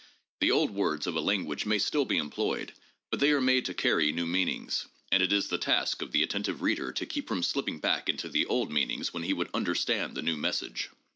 The old words of a language may still be employed, but they are made to carry new meanings, and it is the task of the attentive reader to keep from slipping back into the old meanings when he would understand the new message.